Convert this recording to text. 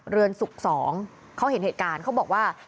เรือนสุข๒เขาเห็นเหตุการณ์เขาบอกว่า